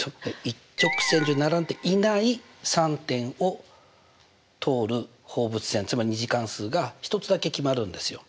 一直線上に並んでいない３点を通る放物線つまり２次関数が１つだけ決まるんですよ。